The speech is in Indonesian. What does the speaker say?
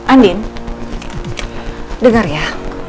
andin dengar ya